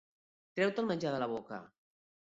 Treu-te el menjar de la boca.